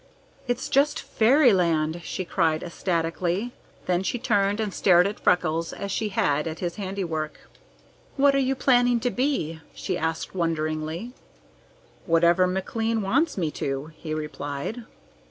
"It's just fairyland!" she cried ecstatically. Then she turned and stared at Freckles as she had at his handiwork. "What are you planning to be?" she asked wonderingly. "Whatever Mr. McLean wants me to," he replied.